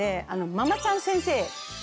「ママちゃん先生」？